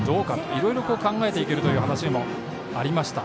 いろいろ考えていけるという話もありました。